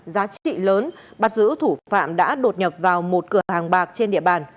giá trị lớn bắt giữ thủ phạm đã đột nhập vào một cửa hàng bạc trên địa bàn